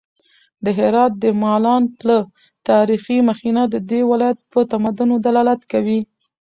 د هرات د مالان پله تاریخي مخینه د دې ولایت په تمدن دلالت کوي.